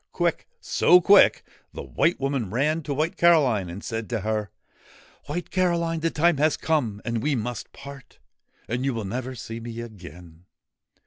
Quick so quick the White Woman ran to White Caroline and said to her: ' White Caroline, the time has come, and we must part ; and you will never see me again.